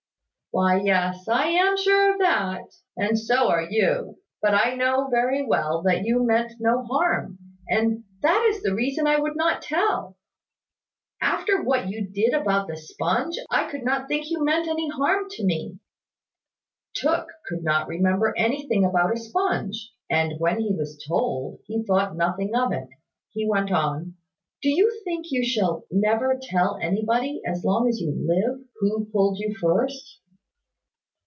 "Why, yes; I am sure of that; and so are you: but I know very well that you meant no harm; and that is the reason I would not tell. After what you did about the sponge, I could not think you meant any harm to me." Tooke could not remember anything about a sponge; and when he was told, he thought nothing of it. He went on "Do you think you shall never tell anybody, as long as you live, who pulled you first?"